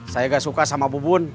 saya gak suka sama bubun